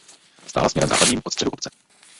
Stála směrem západním od středu obce.